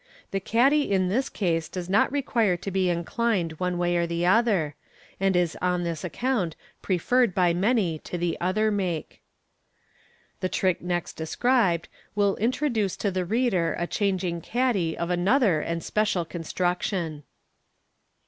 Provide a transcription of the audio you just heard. The caddy in this case does not require to be inclined one way or the other, and is on this account preferred by many to the other make. The trick next described will introduce to the reader a changing caddy of another and special construction.